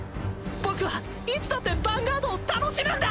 僕はいつだってヴァンガードを楽しむんだ！